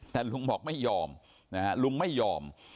แต่ลุงบอกไม่ยอมนะฮะลุงไม่ยอม